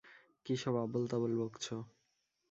কী সব আবোলতাবোল বকছো?